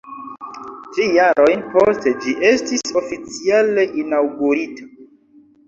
Tri jarojn poste ĝi estis oficiale inaŭgurita.